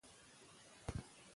منظم خوب د انسان انرژي ساتي.